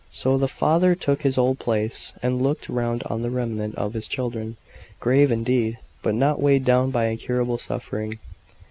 So the father took his old place, and looked round on the remnant of his children, grave indeed, but not weighed down by incurable suffering.